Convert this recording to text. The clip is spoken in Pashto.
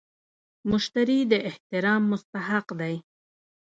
مشتري د احترام مستحق دی.